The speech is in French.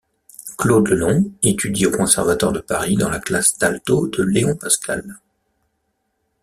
Claude Lelong étudie au Conservatoire de Paris dans la classe d'alto de Léon Pascal.